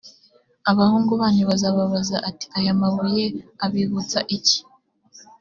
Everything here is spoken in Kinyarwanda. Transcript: abahungu banyu bazababaza bati ’aya mabuye abibutsa iki?